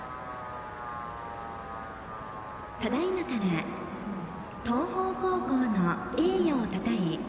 ただいまから東邦高校の栄誉をたたえ